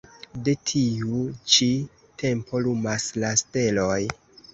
De tiu ĉi tempo lumas la steloj.